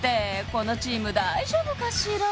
このチーム大丈夫かしら？